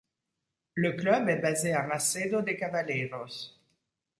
Le club est basé à Macedo de Cavaleiros.